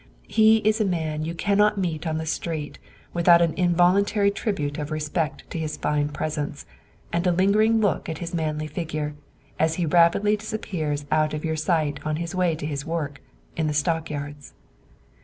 He is a man you cannot meet on the street without an involuntary tribute of respect to his fine presence, and a lingering look at his manly figure, as he rapidly disappears out of your sight on his way to his work, in the stock yards.